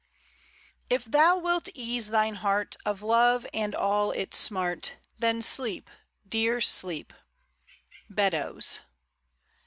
If thou wilt ease thine heart Of love and all its smart, Then sleep, dear, sleep. Beddoes.